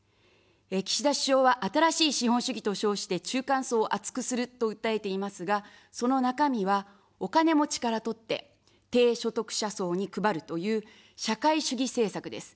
岸田首相は新しい資本主義と称して中間層を厚くすると訴えていますが、その中身はお金持ちから取って、低所得者層に配るという社会主義政策です。